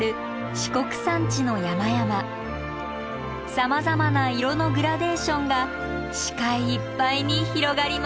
さまざまな色のグラデーションが視界いっぱいに広がります。